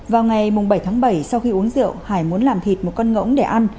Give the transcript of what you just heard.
vào ngày bảy tháng bảy sau khi uống rượu hải muốn làm thịt một con ngỗng để ăn